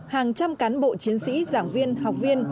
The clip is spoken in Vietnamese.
hàng trăm cán bộ chiến sĩ giảng viên học viên